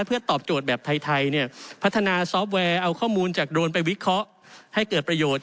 เพื่อตอบโจทย์แบบไทยพัฒนาซอฟต์แวร์เอาข้อมูลจากโดรนไปวิเคราะห์ให้เกิดประโยชน์